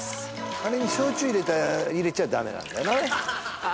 あれに焼酎入れちゃダメなんだよなあ